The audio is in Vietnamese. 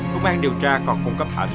công an điều tra còn cung cấp ảnh